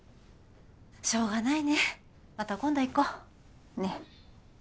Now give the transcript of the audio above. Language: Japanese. しょうがないねまた今度行こねっ。